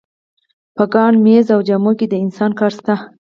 په کان، مېز او جامو کې د انسان کار شته